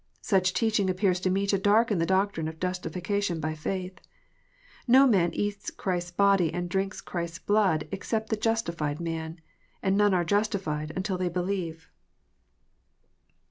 Such teaching appears to me to darken the doctrine of justification by faith. No man eats Christ s body and drinks Christ s blood ex cept the justified man. And none are justified until they believe.